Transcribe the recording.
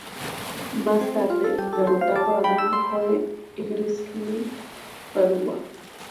Más tarde derrotado Adam Cole y Grizzly Redwood.